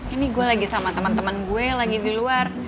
ini gue lagi sama teman teman gue lagi di luar